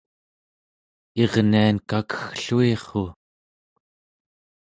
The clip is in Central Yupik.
irnian kakeggluirru